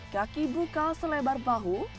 kaki bukal selebar bahu